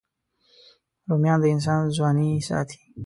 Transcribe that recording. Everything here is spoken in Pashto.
رومیان د انسان ځواني ساتي